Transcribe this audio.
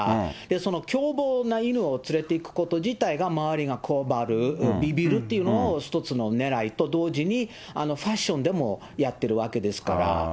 その凶暴な犬を連れて行くこと自体が、周りがこわばる、ビビるというのを一つのねらいと同時に、ファッションでもやってるわけですから。